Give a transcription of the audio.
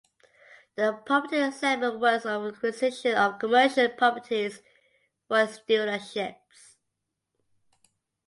The Property segment works on the acquisition of commercial properties for its dealerships.